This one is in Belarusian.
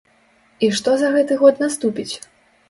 І што за гэты год наступіць?